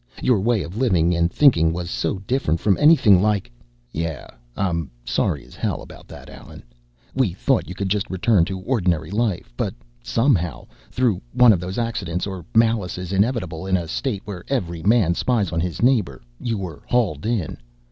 Your way of living and thinking was so different from anything like " "Yeah. I'm sorry as hell about that, Allen. We thought you could just return to ordinary life, but somehow through one of those accidents or malices inevitable in a state where every man spies on his neighbor you were hauled in.